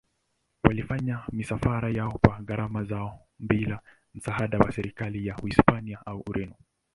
Walifanya misafara yao kwa gharama zao bila msaada wa serikali ya Hispania au Ureno.